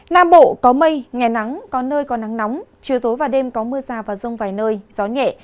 nam bộ có mây ngày nắng có nơi có nắng nóng chiều tối và đêm có mưa rào và rông vài nơi gió nhẹ